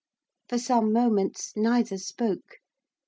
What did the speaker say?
For some moments neither spoke.